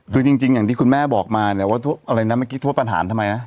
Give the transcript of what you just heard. คือจริงอย่างที่คุณแม่บอกมาเนี่ยว่าอะไรนะเมื่อกี้โทษประหารทำไมนะ